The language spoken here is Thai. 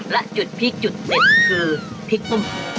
และจุดพริกจุดเด็ดคือพริกตุ้ม